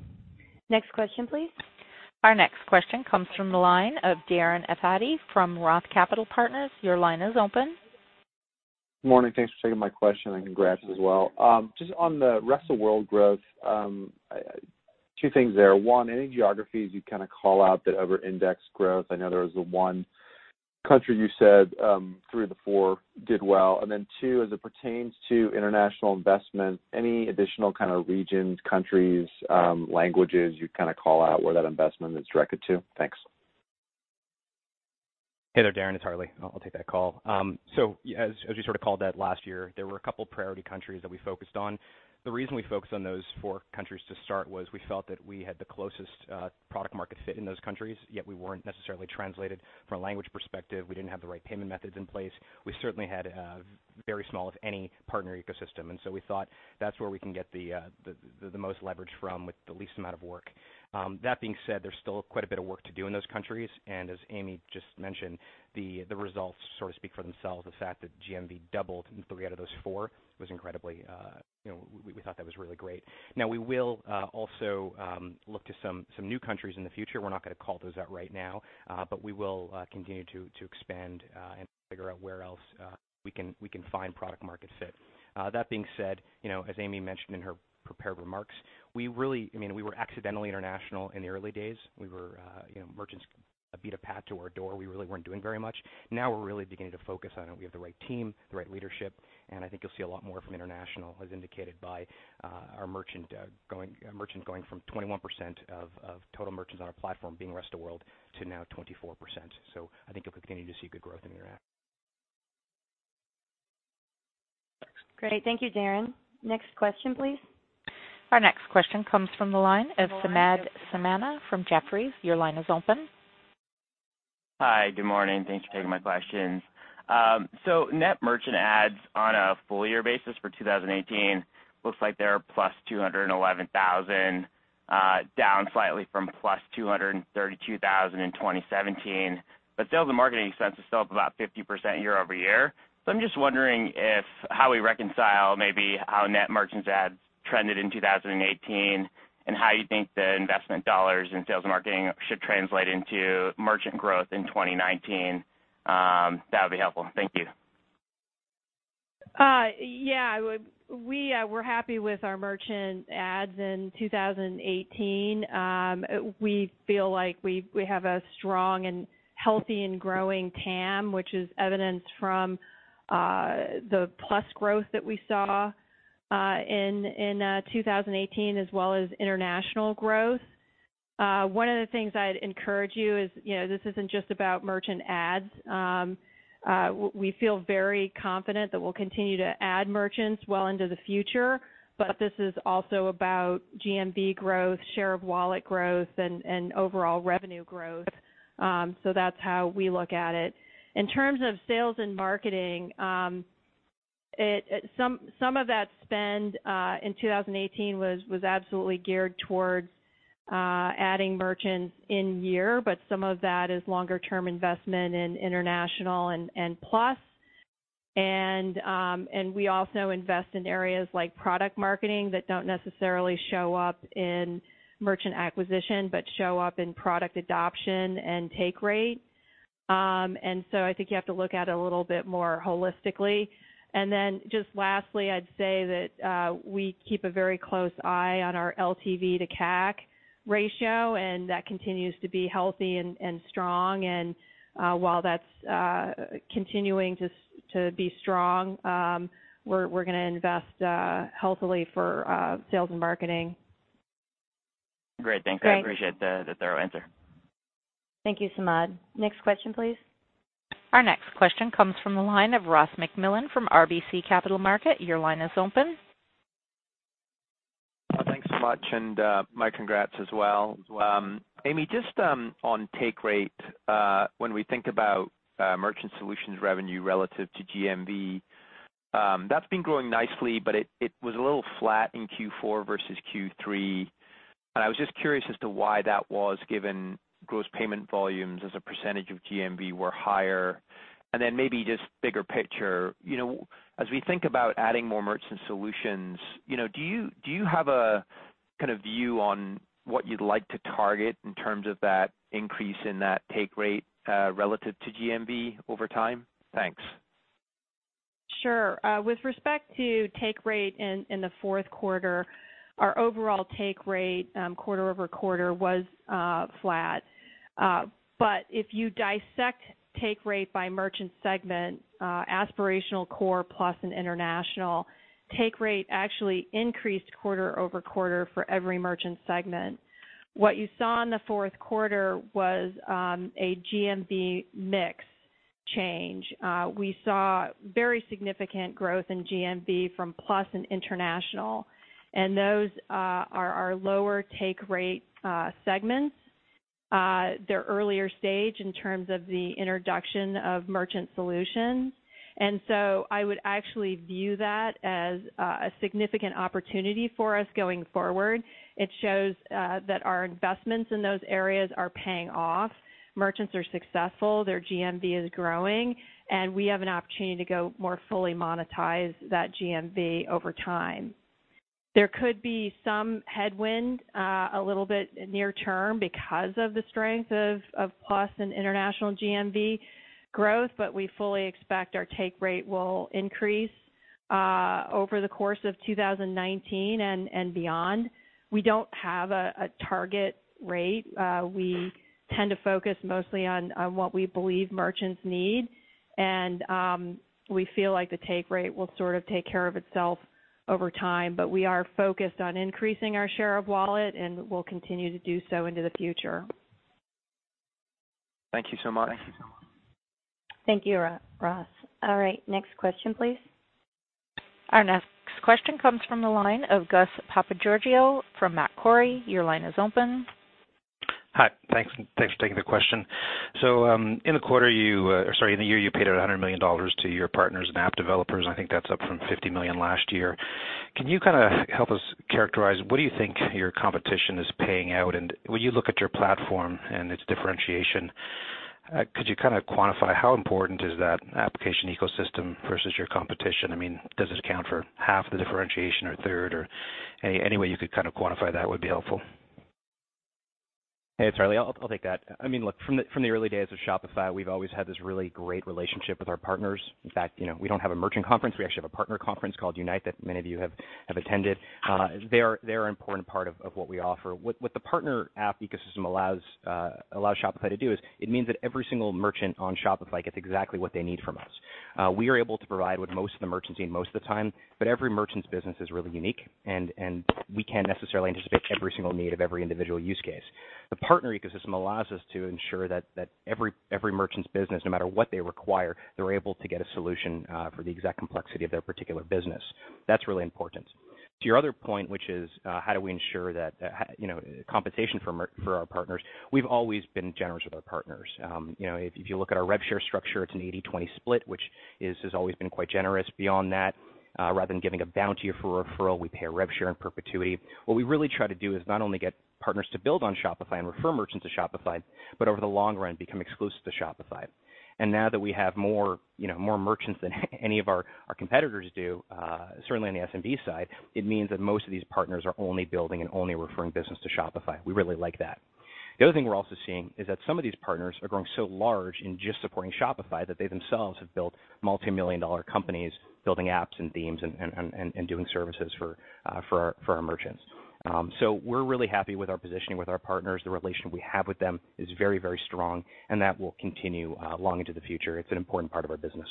Next question, please. Our next question comes from the line of Darren Aftahi from Roth Capital Partners. Your line is open. Morning, thanks for taking my question, and congrats as well. Just on the rest of world growth, two things there. One, any geographies you kind of call out that over index growth? I know there was the one country you said, three of the four did well. Two, as it pertains to international investment, any additional kind of regions, countries, languages you'd kind of call out where that investment is directed to? Thanks. Hey there, Darren, it's Harley. I'll take that call. As you sort of called out last year, there were a couple priority countries that we focused on. The reason we focused on those four countries to start was we felt that we had the closest product market fit in those countries, yet we weren't necessarily translated from a language perspective. We didn't have the right payment methods in place. We certainly had very small, if any, partner ecosystem. We thought that's where we can get the most leverage from with the least amount of work. That being said, there's still quite a bit of work to do in those countries. As Amy just mentioned, the results sort of speak for themselves. The fact that GMV doubled in three out of those four was incredibly, you know, we thought that was really great. We will also look to some new countries in the future. We're not gonna call those out right now, we will continue to expand and figure out where else we can find product market fit. That being said, you know, as Amy mentioned in her prepared remarks, we really, I mean, we were accidentally international in the early days. We were, you know, merchants beat a path to our door. We really weren't doing very much. Now, we're really beginning to focus on it. We have the right team, the right leadership, and I think you'll see a lot more from international as indicated by our merchant going from 21% of total merchants on our platform being rest of world to now 24%. I think you'll continue to see good growth in international. Thanks. Great. Thank you, Darren. Next question, please. Our next question comes from the line of Samad Samana from Jefferies. Your line is open. Hi, good morning. Thanks for taking my questions. Net merchant adds on a full-year basis for 2018 looks like they are +211,000, down slightly from +232,000 in 2017, but sales and marketing expense is still up about 50% year-over-year. I'm just wondering if how we reconcile maybe how net merchants adds trended in 2018 and how you think the investment dollars in sales and marketing should translate into merchant growth in 2019. That would be helpful. Thank you. Yeah. We're happy with our merchant adds in 2018. We feel like we have a strong and healthy and growing TAM, which is evidenced from the Plus growth that we saw in 2018 as well as international growth. One of the things I'd encourage you is, you know, this isn't just about merchant adds. We feel very confident that we'll continue to add merchants well into the future, but this is also about GMV growth, share of wallet growth, and overall revenue growth. That's how we look at it. In terms of sales and marketing, some of that spend in 2018 was absolutely geared towards adding merchants in year, some of that is longer term investment in international and Plus. We also invest in areas like product marketing that don't necessarily show up in merchant acquisition but show up in product adoption and take rate. I think you have to look at it a little bit more holistically. Then just lastly, I'd say that we keep a very close eye on our LTV to CAC ratio, and that continues to be healthy and strong. While that's continuing to be strong, we're gonna invest healthily for sales and marketing. Great. Thanks. Great. I appreciate the thorough answer. Thank you, Samad. Next question, please. Our next question comes from the line of Ross MacMillan from RBC Capital Markets. Your line is open. Thanks so much, and my congrats as well. Amy, just on take rate, when we think about Merchant Solutions revenue relative to GMV, that's been growing nicely, but it was a little flat in Q4 versus Q3. I was just curious as to why that was given gross payment volumes as a percentage of GMV were higher. Then maybe just bigger picture, you know, as we think about adding more Merchant Solutions, you know, do you have a kind of view on what you'd like to target in terms of that increase in that take rate relative to GMV over time. Thanks. Sure. With respect to take rate in the fourth quarter, our overall take rate quarter-over-quarter was flat. If you dissect take rate by merchant segment, Aspirational Core Plus and international, take rate actually increased quarter-over-quarter for every merchant segment. What you saw in the fourth quarter was a GMV mix change. We saw very significant growth in GMV from Plus and international. Those are our lower take rate segments. They're earlier stage in terms of the introduction of Merchant Solutions. I would actually view that as a significant opportunity for us going forward. It shows that our investments in those areas are paying off. Merchants are successful. Their GMV is growing, and we have an opportunity to go more fully monetize that GMV over time. There could be some headwind, a little bit near term because of the strength of Plus and international GMV growth, but we fully expect our take rate will increase over the course of 2019 and beyond. We don't have a target rate. We tend to focus mostly on what we believe merchants need and, we feel like the take rate will sort of take care of itself over time. We are focused on increasing our share of wallet, and we'll continue to do so into the future. Thank you so much. Thank you, Ross. All right. Next question, please. Our next question comes from the line of Gus Papageorgiou from Macquarie. Your line is open. Hi. Thanks for taking the question. In the year you paid out $100 million to your partners and app developers. I think that's up from $50 million last year. Can you kind of help us characterize what do you think your competition is paying out? When you look at your platform and its differentiation, could you kind of quantify how important is that application ecosystem versus your competition? I mean, does this account for half the differentiation or a third or any way you could kind of quantify that would be helpful. Hey, it's Harley. I'll take that. I mean, look, from the early days of Shopify, we've always had this really great relationship with our partners. In fact, you know, we don't have a merchant conference. We actually have a partner conference called Unite that many of you have attended. They're an important part of what we offer. What the partner app ecosystem allows Shopify to do is it means that every single merchant on Shopify gets exactly what they need from us. We are able to provide what most of the merchants need most of the time, but every merchant's business is really unique and we can't necessarily anticipate every single need of every individual use case. The partner ecosystem allows us to ensure that every merchant's business, no matter what they require, they're able to get a solution for the exact complexity of their particular business. That's really important. To your other point, which is, how do we ensure that, you know, compensation for our partners, we've always been generous with our partners. You know, if you look at our rev share structure, it's an 80/20 split, which has always been quite generous. Beyond that, rather than giving a bounty for a referral, we pay a rev share in perpetuity. What we really try to do is not only get partners to build on Shopify and refer merchants to Shopify, but over the long run, become exclusive to Shopify. Now that we have more, you know, more merchants than any of our competitors do, certainly on the SMB side, it means that most of these partners are only building and only referring business to Shopify. We really like that. The other thing we're also seeing is that some of these partners are growing so large in just supporting Shopify that they themselves have built multi-million dollar companies building apps and themes and doing services for our merchants. We're really happy with our positioning with our partners. The relationship we have with them is very, very strong, and that will continue long into the future. It's an important part of our business.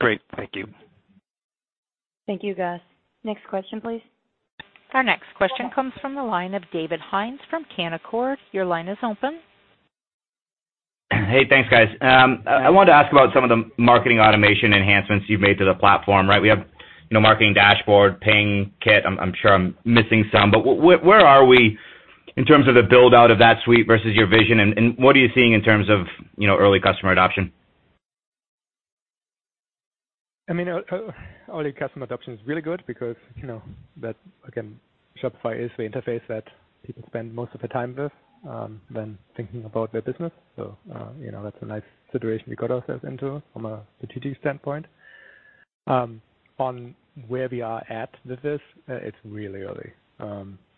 Great. Thank you. Thank you, Gus. Next question, please. Our next question comes from the line of David Hynes from Canaccord. Your line is open. Hey, thanks, guys. I wanted to ask about some of the marketing automation enhancements you've made to the platform, right? We have, you know, marketing dashboard, Ping, Kit. I'm sure I'm missing some, but where are we in terms of the build-out of that suite versus your vision? What are you seeing in terms of, you know, early customer adoption? I mean, early customer adoption is really good because, you know, that, again, Shopify is the interface that people spend most of their time with, when thinking about their business. You know, that's a nice situation we got ourselves into from a strategic standpoint. On where we are at with this, it's really early.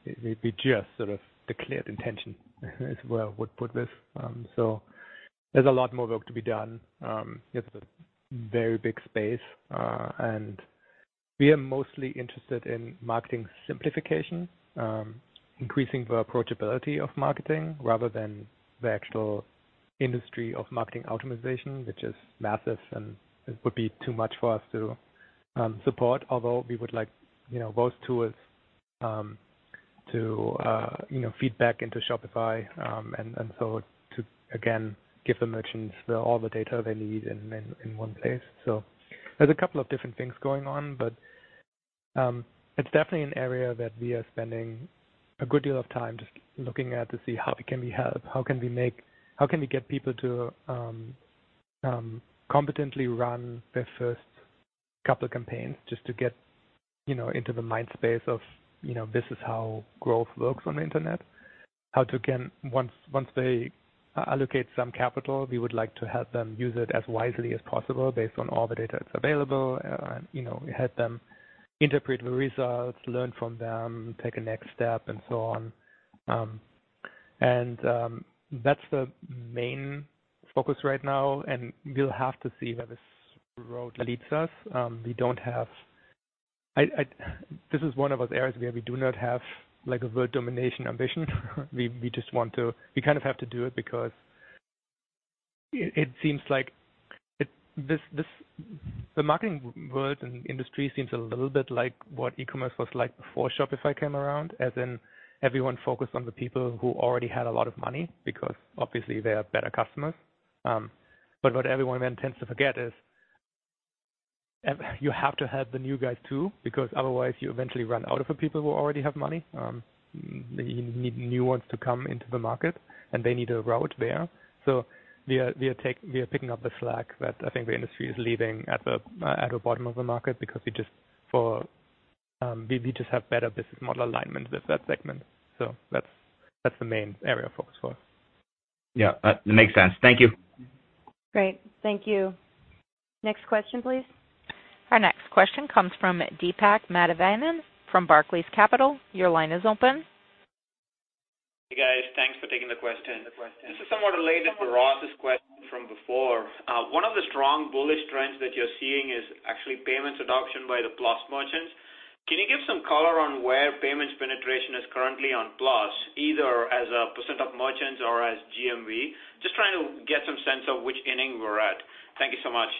It may be just sort of the clear intention as well would put this. There's a lot more work to be done. It's a very big space, and we are mostly interested in marketing simplification, increasing the approachability of marketing rather than the actual industry of marketing optimization, which is massive and would be too much for us to support. Although we would like, you know, both tools, to, you know, feed back into Shopify, and so to, again, give the merchants the, all the data they need in one place. There's a couple of different things going on. It's definitely an area that we are spending a good deal of time just looking at to see how can we help, how can we make, how can we get people to, competently run their first couple of campaigns just to get, you know, into the mind space of, you know, this is how growth works on the internet, how to, again, once they allocate some capital, we would like to help them use it as wisely as possible based on all the data that's available. You know, help them interpret the results, learn from them, take a next step, and so on. That's the main focus right now, and we'll have to see where this road leads us. This is one of those areas where we do not have, like, a world domination ambition. We just want to, we kind of have to do it because it seems like this, the marketing world and industry seems a little bit like what e-commerce was like before Shopify came around. As in everyone focused on the people who already had a lot of money because obviously they are better customers. What everyone then tends to forget is you have to have the new guys too, because otherwise you eventually run out of the people who already have money. You need new ones to come into the market, and they need a route there. We are picking up the slack that I think the industry is leaving at the bottom of the market because we just have better business model alignment with that segment. That's the main area of focus for us. Yeah. That makes sense. Thank you. Great. Thank you. Next question, please. Our next question comes from Deepak Mathivanan from Barclays Capital. Your line is open. Hey, guys. Thanks for taking the question. This is somewhat related to Ross's question from before. One of the strong bullish trends that you're seeing is actually Payments adoption by the Plus merchants. Can you give some color on where Payments penetration is currently on Plus, either as a percent of merchants or as GMV? Just trying to get some sense of which inning we're at. Thank you so much.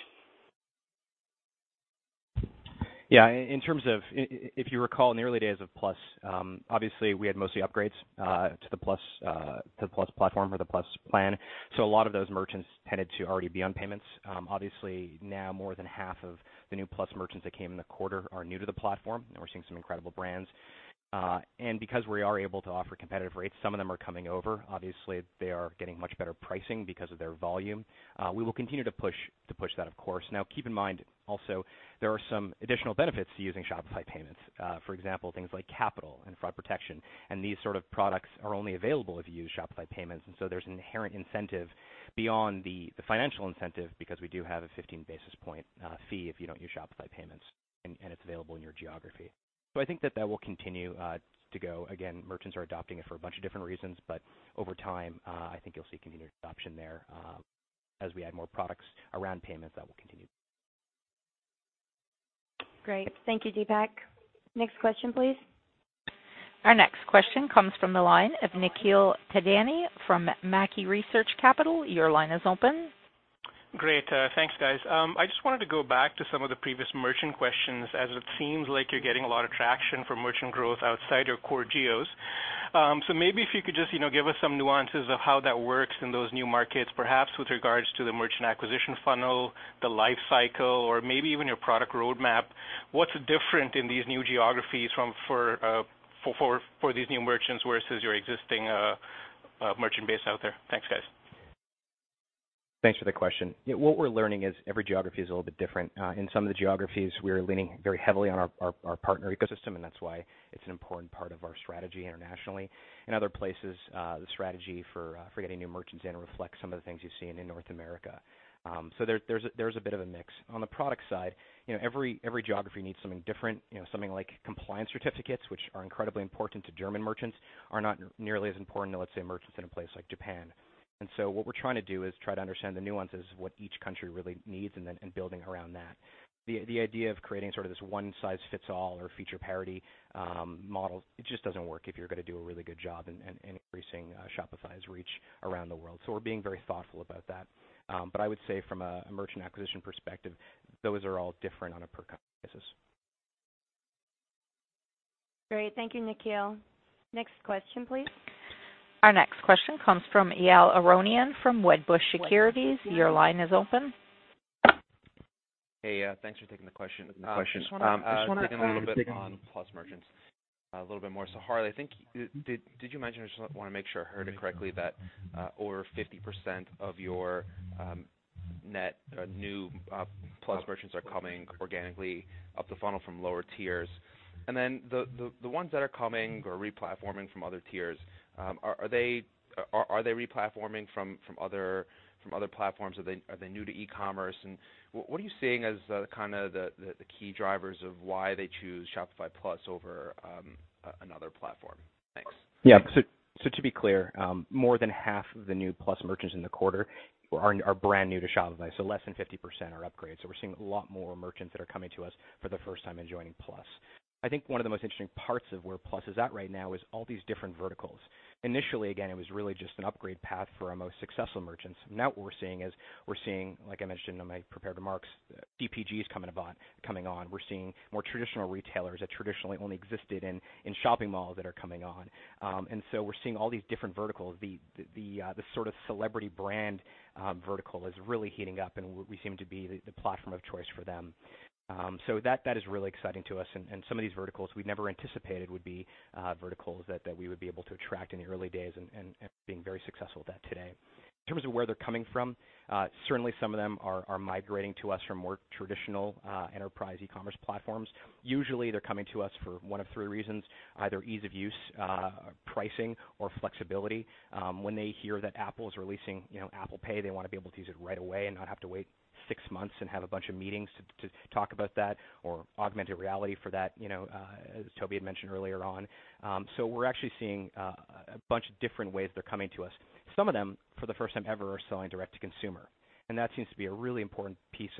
In terms of, if you recall in the early days of Plus, obviously we had mostly upgrades to the Plus platform or the Plus plan. A lot of those merchants tended to already be on Payments. Obviously now more than half of the new Plus merchants that came in the quarter are new to the platform, we're seeing some incredible brands. Because we are able to offer competitive rates, some of them are coming over. Obviously, they are getting much better pricing because of their volume. We will continue to push that, of course. Keep in mind also there are some additional benefits to using Shopify Payments. For example, things like Shopify Capital and Fraud Protection, these sort of products are only available if you use Shopify Payments. There's an inherent incentive beyond the financial incentive because we do have a 15-basis point fee if you don't use Shopify Payments and it's available in your geography. I think that that will continue to go. Merchants are adopting it for a bunch of different reasons, but over time, I think you'll see continued adoption there. As we add more products around payments, that will continue. Great. Thank you, Deepak. Next question, please. Our next question comes from the line of Nikhil Thadani from Mackie Research Capital. Your line is open. Great. Thanks, guys. I just wanted to go back to some of the previous merchant questions, as it seems like you're getting a lot of traction from merchant growth outside your core geos. Maybe if you could just, you know, give us some nuances of how that works in those new markets, perhaps with regards to the merchant acquisition funnel, the life cycle, or maybe even your product roadmap. What's different in these new geographies from for these new merchants versus your existing merchant base out there? Thanks, guys. Thanks for the question. What we're learning is every geography is a little bit different. In some of the geographies, we're leaning very heavily on our partner ecosystem, and that's why it's an important part of our strategy internationally. In other places, the strategy for getting new merchants in reflects some of the things you've seen in North America. There's a bit of a mix. On the product side, you know, every geography needs something different. You know, something like compliance certificates, which are incredibly important to German merchants, are not nearly as important to, let's say, merchants in a place like Japan. What we're trying to do is try to understand the nuances of what each country really needs and then building around that. The idea of creating sort of this one size fits all or feature parity model, it just doesn't work if you're going to do a really good job in increasing Shopify's reach around the world. We're being very thoughtful about that. I would say from a merchant acquisition perspective, those are all different on a per country basis. Great. Thank you, Nikhil. Next question, please. Our next question comes from Ygal Arounian from Wedbush Securities. Your line is open. Hey, thanks for taking the question. Just wanna dig in a little bit on Plus merchants a little bit more. Harley, I think, did you mention, I just wanna make sure I heard it correctly, that over 50% of your net new Plus merchants are coming organically up the funnel from lower tiers. The ones that are coming or replatforming from other tiers, are they replatforming from other platforms? Are they new to e-commerce? What are you seeing as kind of the key drivers of why they choose Shopify Plus over another platform? Thanks. Yeah. To be clear, more than half of the new Plus merchants in the quarter are brand new to Shopify, less than 50% are upgrades. We're seeing a lot more merchants that are coming to us for the first time and joining Plus. I think one of the most interesting parts of where Plus is at right now is all these different verticals. Initially, again, it was really just an upgrade path for our most successful merchants. Now what we're seeing is, like I mentioned in my prepared remarks, CPGs coming on. We're seeing more traditional retailers that traditionally only existed in shopping malls that are coming on. We're seeing all these different verticals. The sort of celebrity brand vertical is really heating up, and we seem to be the platform of choice for them. That is really exciting to us. Some of these verticals we never anticipated would be verticals that we would be able to attract in the early days and being very successful at that today. In terms of where they're coming from, certainly some of them are migrating to us from more traditional enterprise e-commerce platforms. Usually, they're coming to us for one of three reasons, either ease of use, pricing or flexibility. When they hear that Apple is releasing, you know, Apple Pay, they wanna be able to use it right away and not have to wait six months and have a bunch of meetings to talk about that or augmented reality for that, you know, as Tobi had mentioned earlier on. We're actually seeing a bunch of different ways they're coming to us. Some of them, for the first time ever, are selling direct-to-consumer, and that seems to be a really important piece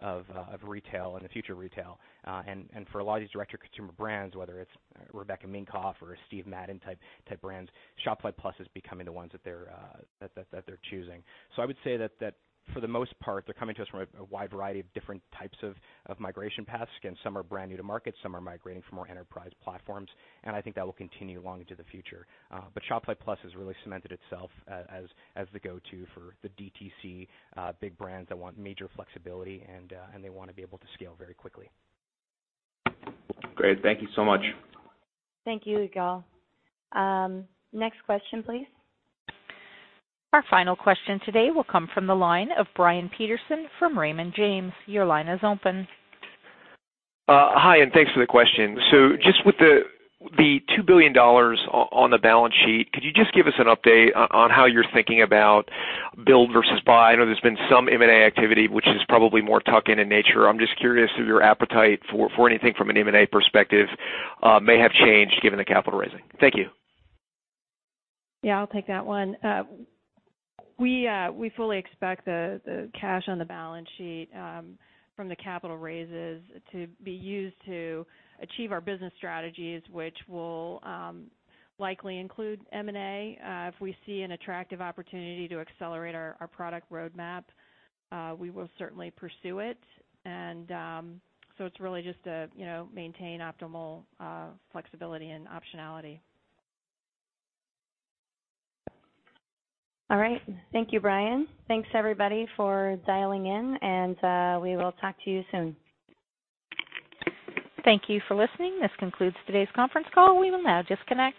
of retail and the future of retail. And for a lot of these direct-to-consumer brands, whether it's Rebecca Minkoff or a Steve Madden type brands, Shopify Plus is becoming the ones that they're choosing. I would say that for the most part, they're coming to us from a wide variety of different types of migration paths. Again, some are brand new to market, some are migrating from more enterprise platforms, and I think that will continue long into the future. Shopify Plus has really cemented itself as the go-to for the DTC big brands that want major flexibility and they wanna be able to scale very quickly. Great. Thank you so much. Thank you, Ygal. Next question, please. Our final question today will come from the line of Brian Peterson from Raymond James. Your line is open. Hi, and thanks for the question. Just with the $2 billion on the balance sheet, could you just give us an update on how you're thinking about build versus buy? I know there's been some M&A activity, which is probably more tuck-in in nature. I'm just curious if your appetite for anything from an M&A perspective may have changed given the capital raising. Thank you. Yeah, I'll take that one. We fully expect the cash on the balance sheet from the capital raises to be used to achieve our business strategies, which will likely include M&A. If we see an attractive opportunity to accelerate our product roadmap, we will certainly pursue it. It's really just to, you know, maintain optimal flexibility and optionality. All right. Thank you, Brian. Thanks everybody for dialing in. We will talk to you soon. Thank you for listening. This concludes today's conference call. We will now disconnect.